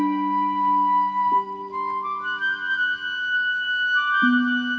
neng mah kayak gini